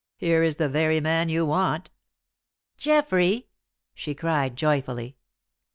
"Here is the very man you want." "Geoffrey!" she cried, joyfully.